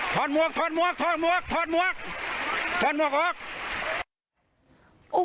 ทอนมอกทอนมอกทอนมอกทอนมอกทอนมอกทอนมอกออก